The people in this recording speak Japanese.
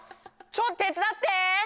・ちょっと手つだって！